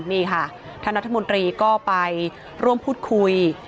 นี่ค่ะท่านรัฐมนตรีก็ไปร่วมพูดคุย